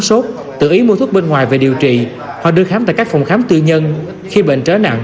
sốt tự ý mua thuốc bên ngoài về điều trị hoặc đưa khám tại các phòng khám tư nhân khi bệnh trở nặng